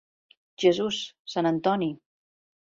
Jesús, sant Antoni!